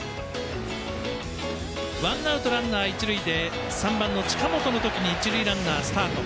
ワンアウト、ランナー、一塁で３番の近本のときに一塁ランナースタート。